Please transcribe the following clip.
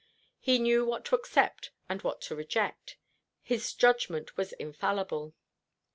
He knew what to accept and what to reject. His judgment was infallible.